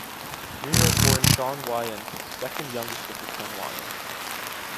New York-born Shawn Wayans is the second youngest of the ten Wayans.